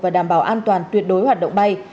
và đảm bảo an toàn tuyệt đối hoạt động bay